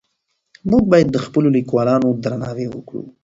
موږ باید د خپلو لیکوالانو درناوی وکړو.